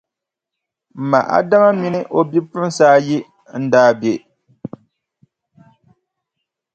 M ma Adama mini o bipuɣinsi ayi n-daa be.